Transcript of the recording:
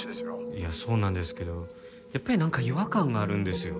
いやそうなんですけどやっぱりなんか違和感があるんですよ。